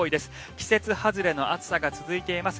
季節外れの暑さが続いています。